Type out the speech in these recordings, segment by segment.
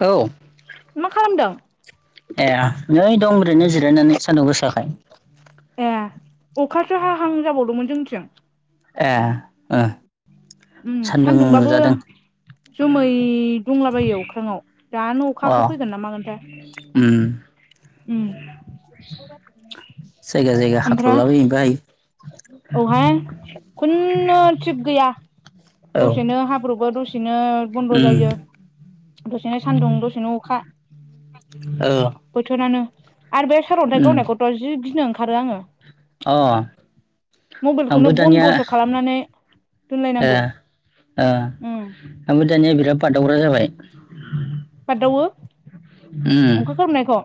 औ मा खालामदों एह नै दं ओरैनो जिरायनानै सान्दुं गोसाखाय ए अखासो हाहां जाबावदोंमोन जोंनिथिं। एह ओ उम सान्दुं सान्दुंबाबो नुजादों जोमै दंलाबायो अख्राङाव दानो अ अखासो फैगोन ना मागोन थाय उम उम जायगा जायगा [inaudible] आमफ्राय हाख्ल'लाबायनोबो हायो औहाय खुन्नु थिग गैया दसेनो हाब्रबो दसेनो बन्द' उम जायो दसेनो सान्दुं दसेनो अखा औ [inaudible] बोथोरानो आरो बे सारअन्थाइ उम गावनायखौथ' जि गिनो ओंखारो आङो अ आंबो मबाइलखौनो दानिया बन्दसो खालामनानै ओ दोनलायनांगौ ओ उम ओमफाय दानिया बिराद बादावग्रा जाबाय बारदावो उम अखा खोरोमनायखौ?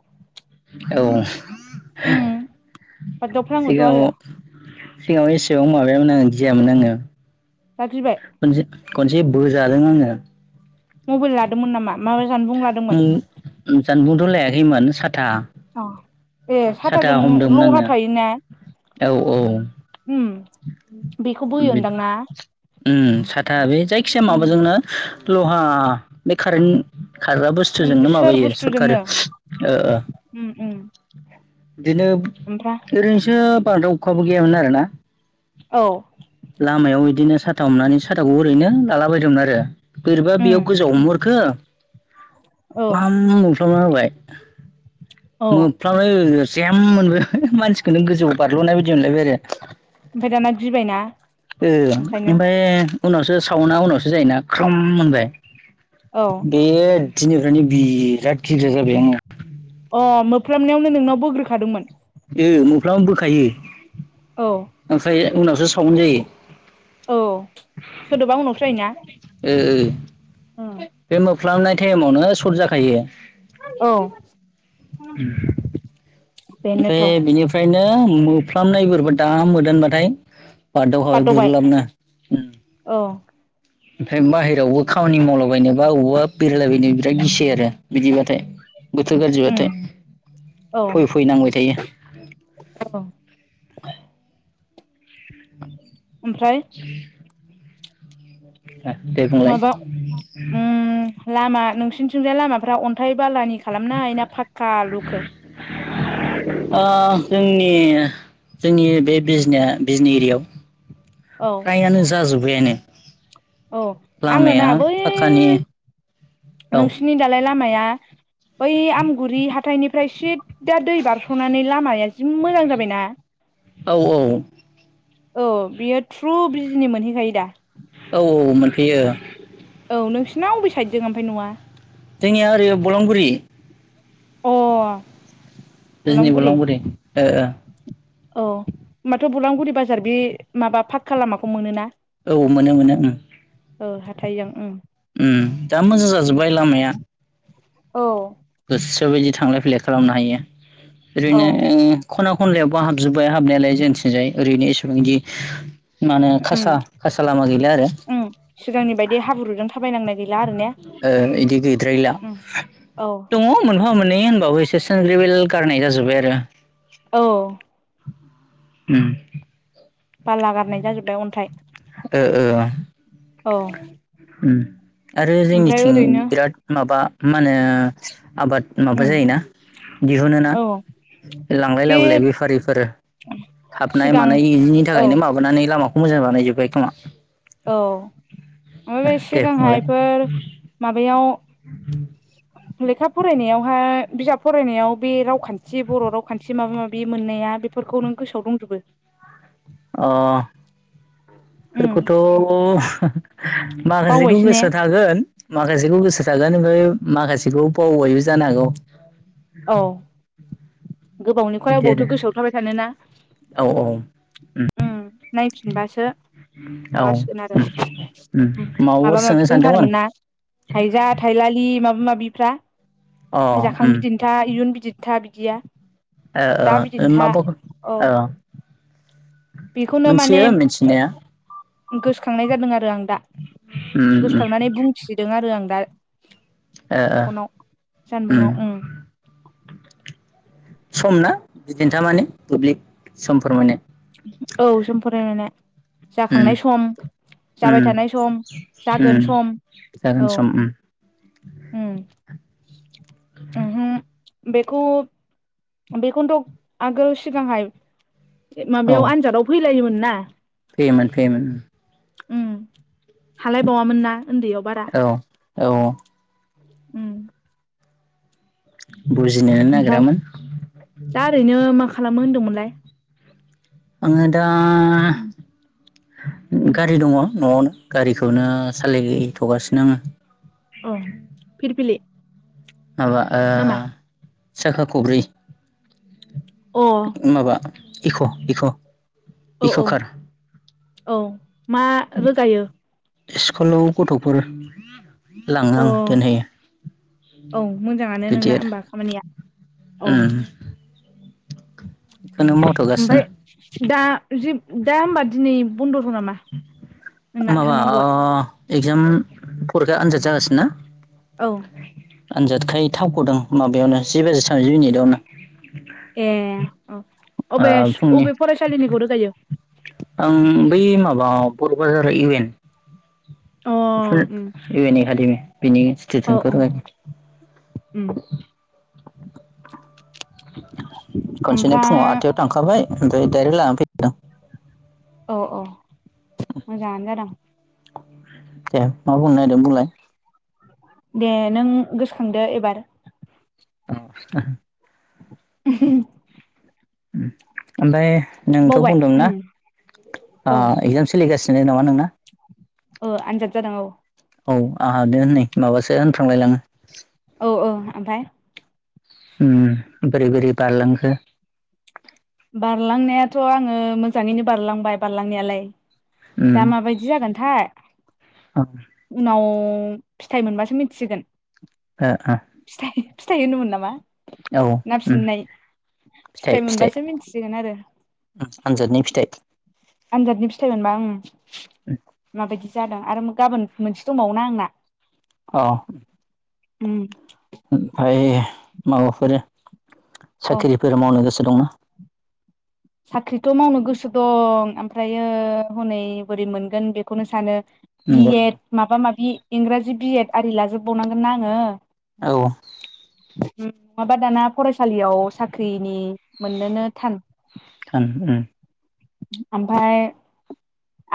औ उम बारदावफ्लाङोथ' सिगाङाव आरो सिगाङाव एसेबां माबायामोन आङो गियामोन आङो दा गिबाय खनजि खनसे बोजादों आङो मबाइल लादोंमोन नामा? माबा जानबुं लादोंमोन उम जानबुंथ' लायाखैमोन साथा अ एह साथा साथाजों हमदोंमोन लहा आङो थायोना? औ औ उम बेखौ बोयोनदां ना उम साथा बे जायखिया माबाजोंनो लह हा बे खारेन्ट खारग्रा बुस्थुजोंनो सोर माबायो सटखारो बुस्थुजोंनो ओ ओ उम उम बिदिनो ओमफ्राय ओरैनोसो बारदाव अखाबो गैयामोन आर ना औ लामायाव इदिनो साथा हमनानै साथाखौ ओरैनो लाला बायदोंमोन आरो बोरैबा बेयाव उम गोजाव हमहरखो औ फ्लाम मोफ्लामना होबाय मोफ ओमफ्राय होग्रो जेम मोनबाय मानसिखौनो गोजौआव बारल'नाय बायदि मोनलायबाय आरो ओमफाय दाना गिबायना? ओं ओंखायनो ओमफाय उनावसो सावना उनावसो जायोना ख्रोम होनबाय औ बे दिनिफ्रायनो बिराद गिग्रा जाबाय आङो अ मोफ्लामनायावनो नोंनाव बोग्रोखादोंमोन? ओ मोफ्लामबानो बोखायो औ ओमफ्राय उनावसो साउन्ड जायो। औ सोदोबा उनावसो जायो ना? ओ बे मोफ्लामनाय टाइमावनो सर्ट जाखायो। औ [unintelligible] बेनोथ' ओमफाय बिनिफ्रायनो मोफ्लामनाय बोरैबा दा मोदोनबाथाय बादाव खाबाय बारद'बाय गुरलाबनो उम औ ओमफ्राय बाहेरायावबो खामानि मावलाबायनोबा अबावबा बेरायलायबाय नो बिराद गिसै आरो बिदिबाथाय गोथोर उम गाज्रिबाथाय औ फै फैनांबाय थायो। औ ओमफ्राय [inaudible] दे बुंलाय माबा उम लामा नोंसिनिथिंजाय लामाफ्रा अन्थाइ बालानि खालामनाय ना फाक्का लुखो? एह जोंनि बे बिजनिया बिजनि एरिआव औ फ्रायानो जाजोब बायानो औ आङो ना बै औ नोंसिनि दालाय लामाया बै आमगुरि हाथाइनिफ्राय सिददा दै बारस'नानै लामाया जि मोजां जाबायना औ औ औ बियो थ्रु बिजनि मोनहैखायो दा औ औ मोनफैयो नाव अबे साइददों ओमफाय नङा जोंनिया ओरै बलंगुरि अ बिजनि बलामगुरि बलंगुरि ओ ओ औ होमबाथ' बलांगुरि बाजार बे माबा पाक्का लामाखौ मोनोना औ मोनो मोनो ओं ओ हाथाइजों उम दा मोजां जाजोब्बाय लामाया अ गोसोबायदि थांलाय फैलाय खालामनो हायो औ ओरैनो ओं खना खनलायावबो हाबजोबबाय हाबनायालाय जोंथिंजाय ओरैनो एसेबांदि माने उम खासा-खासा लामा गैला आरो। उम सिगांनि बायदि हाब्रुजों थाबायनांनाय गैला आरो ने ओ इदि गैद्रायला। औ दङ मोनफा मोननै होनबाबो एसे सोनग्रिबिल गारनाय जाजोब्बाय आरो। औ। उम। बाला गारनाय जाजोब्बाय अन्थाइ। ओ ओ औ उम। आरो ओमफ्राय जोंनिथिं ओरैनो बिराद माबा मा नो। आबाद माबा उम जायोना दिहुनो ना। औ लांलाय बे लाबोलाय बेफारिफोर हाबनाय सिगां मानाय इदिनि औ थाखायनो माबानानै लामा खौ मोजां बानाय जोब्बाय खोमा। औ [unintelligible] दे सिगांहाय बुंलाय बेफोर माबायाव। लेखा फरायनायावहा बिजाब फरायनायाव बे राव खान्थि बर' राव खान्थि माबा माबि मोननाया बेफोरखौ नों गोसौ दंजोबो। ओ उम बेफोरखौथ'। माखासेखौ बावबायसो ने गोसो थागोन। माखासेखौ गोसो थागोन बै माखासेखौ बावबायबो जानो हागौ। औ। गोबावनि खरा बिदि बावथो आरो गोसोआव थाबाय थानोना। औ औ उम नायफिनबासो। औ माबासिगोन आरो उम उम माबाफोर माबा माबि सोंनो सानदोंमोन दंथारोमोन ना। थाइजा थाइलालि माबा मा बिफ्रा अ जाखां उम बिदिन्था इयुन बिदिन्था बिदिया। ओ ओ दा [unintelligible] बिदिन्था औ ओ बेखौनो माने मोनथियो मिथिनाया। गोसोखांनाय जादों आरो आं दा उम उम गोसोखांनानै बुंथिदों आरो आं दा। ओ फनाव जानबुंआव उम। सम ना बिदिन्था माने बुब्लि समफोर माने औ जों फरायनायना उम जाखांनाय सम। जाबाय उम थानाय सम जागोन उम सम जागोन औ। सम उम हम। [inaudible] बेखौ बेखौनोथ' आगोल सिगांहाय माबायाव आनजादाव फैलायोमोन ना। फेयोमोन फैयोमोन। उम हालायबावामोन ना उन्दैयाव बारा। औ औ। उम। बुजिनोनो ओमफ्राय नागिरामोन दा ओरैनो मा खालामो होनदोंमोनलाय। आङो दा उम गारि दङ न'आवनो। गारिखौनो सालायथ'गासिनो आङो। अ फिरबिलि। माबा ओ साखा खब्रि। अ माबा इक' इक' औ इक' कार। औ मा रोगायो। स्कुलाव गथ'फोर लाङो अ आं दोनहैयो। औ मोजाङानो बिदि नोंना आरो होमबा खामानिया औ। उम बेखौनो ओमफ्राय मावथ'गासिनो। दा जे दा होमबा दिनै बन्द। माबा इक्जाम फरिखा आनजाद जागासिनोना औ आनजादखाय थावगदोंं माबायावनो जि बाजि थामजि मिनिटआवनो ए औ अबे फुंनि अबे फरायसालिनिखौ रोगायो आं बै माबा बर' बाजार इउ एन अ फुल उम इ एन एकादेमी बिनि औ औ स्टूदेनफोर खौ उम रीगायी खनसेनो फुङाव ओमफ्राय आथायाव थांखाबाय [inaudible] औ औ मोजाङानो जादों दे मा बुंनो नागिरदों बुंलाय दे नों गोसोखांदो एबार औ [unintelligible] ओमफ्राय नोंथ' बावबाय बुंदोंमोनना उम औ इगजाम सोलिगासिनो नामा नोंना ओ आनजाद जादों औ औ आंहा द होननै माबासो होनफ्र्लांलायलाङो औ औ ओमफ्राय उम बोरै बोरै बारलांखो बारलांनायाथ' आङो मोजाङैनो बारलांबाय बारलांनायालाय दा माबायदि जागोनथाय उनाव फिथाइ मोनबासो मिथिसिगोन ओ ओ फिथाइ फिथाइ होनोमोन नामा ना फिननाय फिथाइ फिथायाइ फिथाइ मोनबासो मिथि आनजादनि फिथाइ आनजादनि फिथाइ मोनबा ओ माबायदि जादों आरो गाबोन मोनसे दंबावोना आंना औ उम ओमफफ्राय माबाफोर औ साख्रिफोर मावनो गोसो दंना साख्रिथ' मावनो गोसो दं ओमफ्रायो हनै बोरै मोनगोन बेखौनो सानो बि नंगौ नंगौ एद माबा माबि इंराजि बिएद आरि लाजोबबावनांगोननाा आङो औ माबा दाना फरायसालियाव साख्रिनि मोननोनो थान थान उम ओमफफ्राय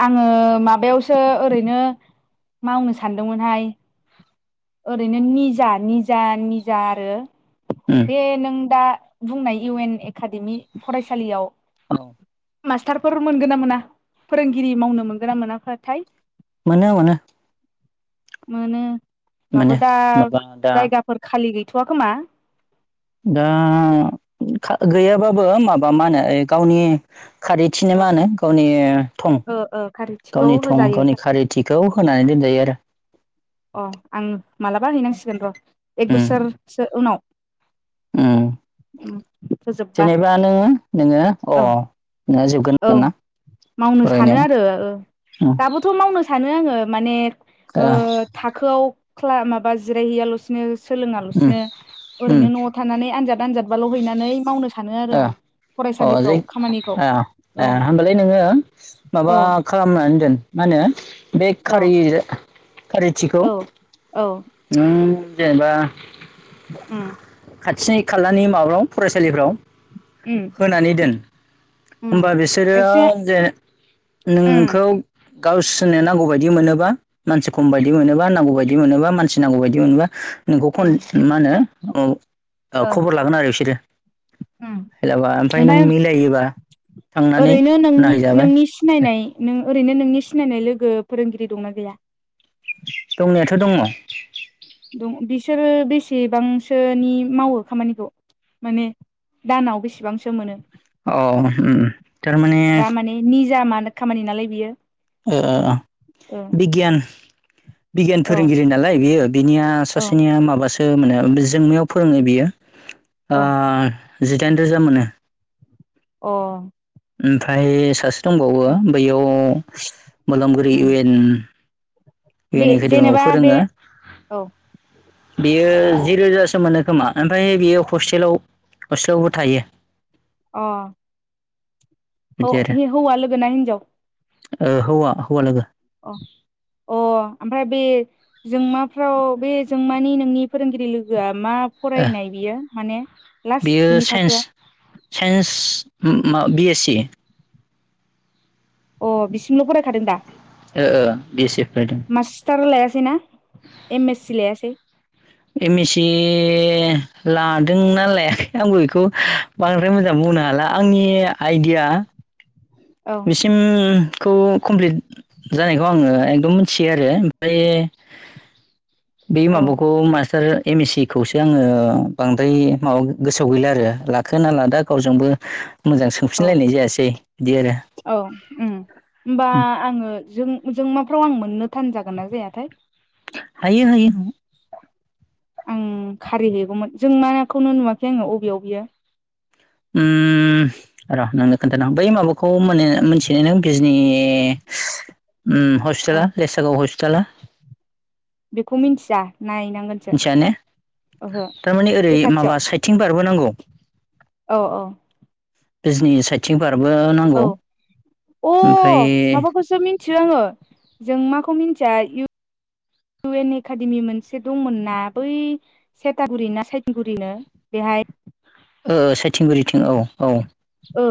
आङो माबायावसो ओरैनो मावनो सानदोंमोनहाय ओरैनो निजा निजा निजा आरो उम बे नों दा बुंनाय इउ एन एकाडेमि फरायसालियाव औ मास्टारफोर मोनगोन ना मोना फोरोंगिरि मावनो मोनगोन ना मोनाथाय? मोनो मोनो मोनो मोनो होनबाबो दा माबा दा जायगाफोर खालि गै [inaudible] दा गैयाबाबो माबा मा होनो गावनि खारैथिनो ओ मा होनो गावनि थं ओ खारिथिखौ गावनि थं होजायो गावनि खारिथिखौ होनानै दोनजायो आरो अ आं मालाबा हैनांसिगोन र' एक उम बोसोरसो उनाव उम फोजोबबा जेनेबा नोङो औ औ [unintelligible] मावनो सानो फरायनाया आरो आरो उम दाबोथ' मावनो सानो आङो माने ओ थाखोआव ख्ला मा बा जिरायहैयाल'सिनो उम सोलोङाल'सिनो उम ओरैनो न'आव थानानै आनजाद आनजादबाल' हैनानै मावनो सानो आरो आं ओ अ जै‌ फरायसालिफ्राव खामानिखौ आ औ आ होमबालाय नोङो माबा औ खालामनानै दोन मा होनो बे औ खारि खारिथिखौ औ औ नों जेनेबा उम खाथिनि खालानि माब्लाव फरायसालिफ्राव उम होनानै दोन। उम होमबा बिसोरोआ एसे जे उम नोंखौ गावसोरनो नांगौ बायदि मोनोबा मानसि खम बायदि मोनोबा नांगौ बायदि मोनोबा मान मिथिनांगौ बायदि मोनबा नोंखौ उम फन मा होनो औ ओ खबर लागोन आरो बिसोरो उम हेलाबा ओमफाय नों ओमफ्राय मिलायोबा थांनानै ओरैनो नायहैजाबाय नोंनि-नोंनि सिनायनाय नों ओरैनो नोंनि सिनायनाय लोगो फोरोंगिरि दंना गैया? दंनायाथ' दङ'। दं बिसोरो बेसेबांसोनि मावो खामानिखौ? माने दानाव बेसेबांसो मोनो? अ ओम थारमाने जा मानो खामानि नालाय बियो ओ औ बिगियान बिगियान औ फोरोंगिरि नालाय बियो बिनिया औ सासेनिया माबासो मानो जोंमायाव फोरोङो बियो ओ जिदाइन रोजा मोनो। अ ओमफाय सासे दंबावो अ बैयाव मोलामगुरि उम इउ एन इउ बे एन एकाडेमियाव जेनेबा बे फोरोङो। औ बेयो जि रोजासो मोनो खोमा ओमफाय बियो हस्टेलाव हस्टेलावबो थायो। अ अ बिदि आरो हि हौवा लोगो ना हिनजाव ओ हौवा हौवा लोगो अ अ ओमफाय बे जोंमाफ्राव बे जोंमानि नोंनि फोरोंगिरि लोगोआ मा ओ फरायनाय बियो माने लास्ट बियो बिनि साइन्स थाखोआ? साइन्स उम मा बि एस सि। अ बिसिमल' फरायखादों दा? ओ ओ बि एस सि फरायदों टार' लायासैना एम एस सि लायासै एम एस सि लादोंना लायाखै आंबो बेखौ बांद्राय मोजां बुंनो हाला आंनि आइडिया औ बिसिमखौ कमप्लिट जानायखौ आङो एकदम मोन्थियो आरो ओमफ्राय बे औ माबुखौ मास्टार एम एस सि खौसो आङो बांद्राय माबा गोसोआव गैला आरो लाखो ना लादा गावजोंबो मोजां औ सोंफिनलायनाय जायासै बिदि आरो औ उम होमबा आङो जों जों मा फ्राव आं मोननो थान जागोन ना जायाथाय? हायो हायो आं खारि हैैगौमोन जोंमा खौनो नुवाखै आङो अबेयाव बियो? उम ओम र' नोंनो खोन्थानो आं बै माबाखौ माने मोनथियो नों बिजनि ओम औ हस्पिटाला लेसागाव हस्पिटाला बेखौ मिन्थिया। मिथिया ने? थारमाने ओरै बे खाथियाव माबा साइथिं बारबोनांगौ। औ औ। बिजनि साइथिं बार - औ अ ओमफ्राय माबाखौसो मिन्थियो आङो जोंमाखौ मिन्थिया, इउ एन एकाडेमि मोनसे दंमोन ना बै सेतागुरि ना साइतिगुरिनो बेहाय? ओ साइथिंगुरिथिं औ औ। ओ।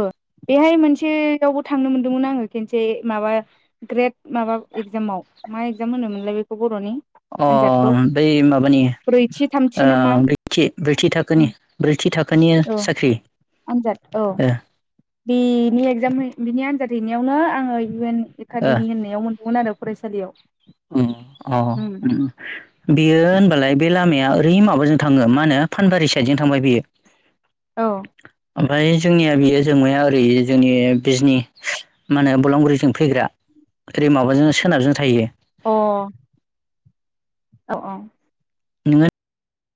बेहाय मोनसेयावबो थांनो मोनदोंमोन आङो खेनसे माबा ग्रेट माबा एगजामाव। मा एगजाम होनोमोनलाय बेखौ बर'नि? अ आनजादखौ बै माबानि ब्रैथि थामथि ओ‌ ना मा ब्रैथि ब्रैथि थाखोनि ब्रैथि थाखोनि औ साख्रि आनजाद औ बेनि एगजाम बिनि आनजाद हैनायावनो आङो इउ एन एकादेमि होननायाव मोनदोंमोन आरो फरायसालियाव। ओम अ उम ओम बेयो होनबालाय बे लामाया ओरै माबाजों थाङो मा होनो फानबारि साइदजों थांबाय बियो। औ। ओमफाय जोंनिया बियो जोंमाया ओरै जोंनि बिजनि मा होनो बलांगुरिजों फैग्रा। ओरै माबाजों सोनाबजों थायो। अ। औ औ। नोङो